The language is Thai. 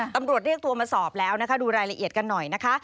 ตำรวจเรียกตัวมาสอบแล้วนะคะดูรายละเอียดกันหน่อยนะคะ